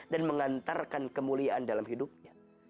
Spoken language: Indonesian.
dan mengantarkan kemuliaan dalam hidupnya